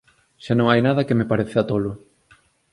Xa non hai nada que me pareza tolo.